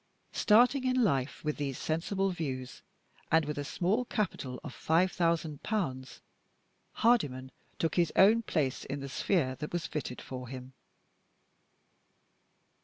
Starting in life with these sensible views, and with a small capital of five thousand pounds, Hardyman took his own place in the sphere that was fitted for him.